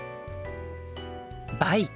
バイク。